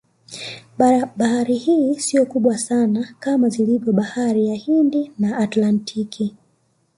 Bahari hii siyo kubwa sana kama zilivyo Bahari ya hindi na Atlantiki